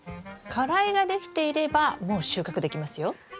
花蕾ができていればもう収穫できますよ。